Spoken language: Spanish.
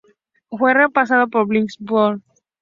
Fue reemplazada por "Bishop Mus.